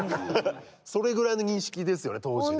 それぐらいの認識ですよね当時ね。